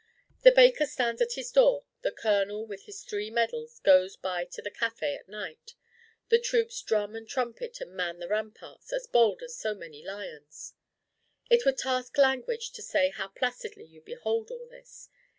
The baker stands in his door; the colonel with his three medals goes by to the café at night; the troops drum and trumpet and man the ramparts, as bold as so many lions. It would task language to say how placidly you behold all this.